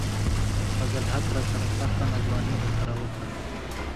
فضل الحق راسره سخته ناځواني راسره وڪړه